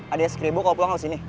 adanya sekribu kalo pulang harus sini